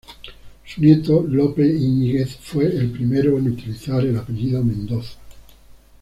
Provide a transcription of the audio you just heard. Su nieto Lope Iñiguez fue el primero en utilizar el apellido Mendoza.